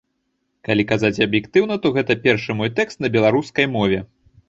Калі казаць аб'ектыўна, то гэта першы мой тэкст на беларускай мове.